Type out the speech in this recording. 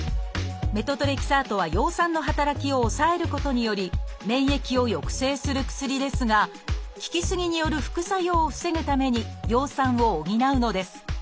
メトトレキサートは葉酸の働きを抑えることにより免疫を抑制する薬ですが効き過ぎによる副作用を防ぐために葉酸を補うのです。